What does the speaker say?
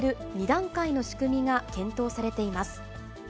２段階の仕組みが検討されています。